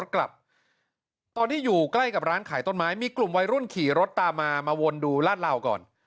กับร้านขายต้นไม้มีกลุ่มวัยรุ่นขี่รถตามมามาวนดูราดราวก่อน